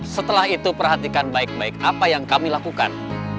setelah itu perhatikan baik baik apa yang kami lakukan